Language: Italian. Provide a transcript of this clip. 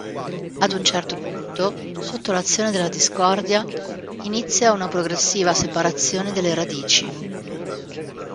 Ad un certo punto, sotto l'azione della Discordia, inizia una progressiva separazione delle radici.